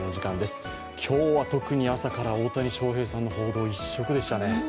今日は特に朝から大谷翔平さんの報道一色でしたね。